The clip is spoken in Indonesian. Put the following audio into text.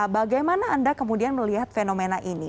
bagaimana anda kemudian melihat fenomena ini